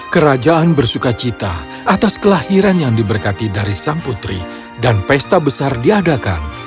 kerajaan bersuka cita atas kelahiran yang diberkati dari sang putri dan pesta besar diadakan